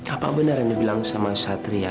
apa bener yang dia bilang sama satria